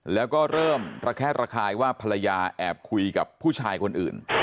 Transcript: แล้วก็เริ่มระแคะระคายว่าภรรยาแอบคุยกับผู้ชายคนอื่น